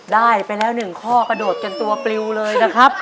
ได้ไปแล้ว๑ข้อกระโดดกันตัวปลิวเลยนะครับ